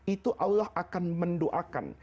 itu allah akan mendoakan